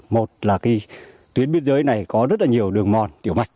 một là tuyến biên giới này có rất nhiều đường mòn tiểu mạch